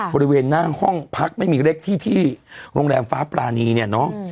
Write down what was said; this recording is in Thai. บริเวณหน้าห้องพักไม่มีเลขที่ที่โรงแรมฟ้าปรานีเนี่ยเนาะ